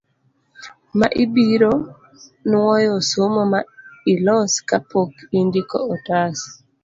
ma ibiro nwoyo somo ma ilos ka pok indiko otas